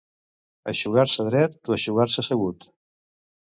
Eixugar-se dret o eixugar-se assegut.